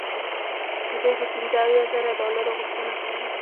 دوی د پنځه اویا زره ډالرو غوښتنه کوله.